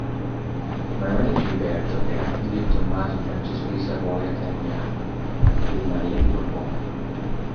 Emanuele Filiberto era figlio di Tommaso Francesco di Savoia-Carignano e di Maria di Borbone.